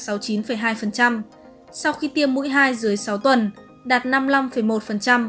sau khi tiêm mũi hai dưới sáu tuần đạt năm mươi năm một